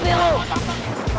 ndi luar kamu tahu maksudnya